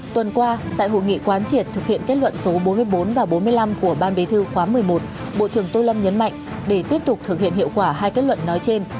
tuần qua tại hội nghị quán triệt thực hiện kết luận số bốn mươi bốn và bốn mươi năm của ban bí thư khóa một mươi một bộ trưởng tô lâm nhấn mạnh để tiếp tục thực hiện hiệu quả hai kết luận nói trên